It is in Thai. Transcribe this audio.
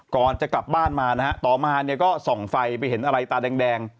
ก่อนจะกลับบ้านมานะฮะต่อมาเนี่ยก็ส่องไฟไปเห็นอะไรตาแดง